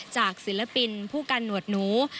ศิลปินผู้กันหนวดหนู